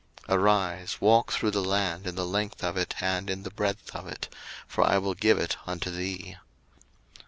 01:013:017 Arise, walk through the land in the length of it and in the breadth of it; for I will give it unto thee.